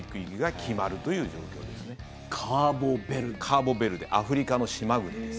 カーボベルデアフリカの島国です。